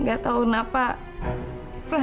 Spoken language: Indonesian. saya datang ini untuk menemukan ibu yang satu teman tersebut